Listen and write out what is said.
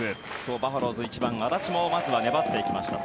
バファローズ１番、安達もまずは粘っていきました。